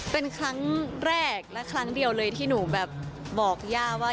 เป็นครั้งแรกและครั้งเดียวเลยที่หนูแบบบอกย่าว่า